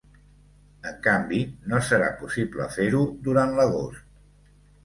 En canvi, no serà possible fer-ho durant l’agost.